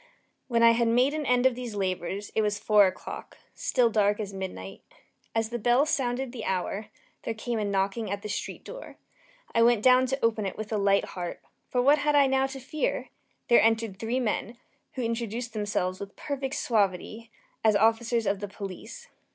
When I had made an end of these labors, it was four o'clock still dark as midnight. As the bell sounded the hour, there came a knocking at the street door. I went down to open it with a light heart, for what had I now to fear? There entered three men, who introduced themselves, with perfect suavity, as officers of the police.